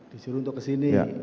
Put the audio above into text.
disuruh untuk kesini